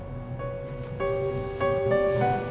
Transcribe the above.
saya sudah tahu